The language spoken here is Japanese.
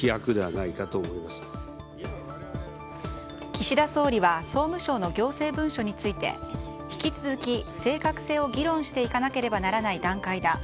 岸田総理は総務省の行政文書について引き続き正確性を議論していかなければならない段階だ。